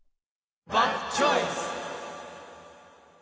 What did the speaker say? バッドチョイス！